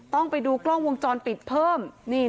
ต้องไปดูกล้องวงจรปิดเพิ่ม